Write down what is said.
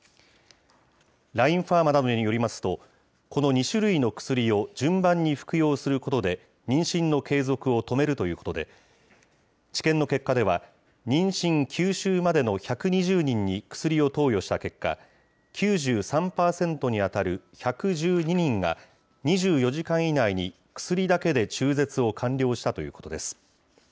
ラインファーマなどによりますと、この２種類の薬を順番に服用することで、妊娠の継続を止めるということで、治験の結果では、妊娠９週までの１２０人に薬を投与した結果、９３％に当たる１１２人が２４時間以内に薬だけで中絶を完了したということです。